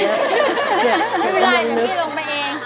ไม่เป็นไรเดี๋ยวพี่ลงไปเอง